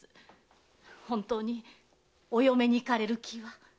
本当にお嫁にいかれる気は？